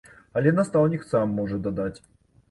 Але настаўнік сам можа дадаць.